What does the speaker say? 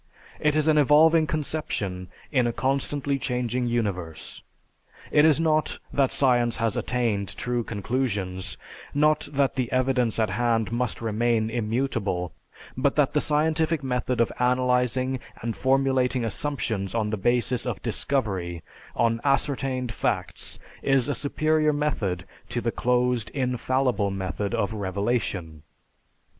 It is an evolving conception in a constantly changing universe. It is not that science has attained true conclusions; not that the evidence at hand must remain immutable; but that the scientific method of analyzing and formulating assumptions on the basis of discovery, on ascertained facts, is a superior method to the closed "infallible" method of "revelation."